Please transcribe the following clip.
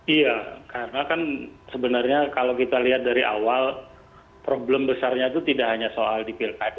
iya karena kan sebenarnya kalau kita lihat dari awal problem besarnya itu tidak hanya soal di pilkada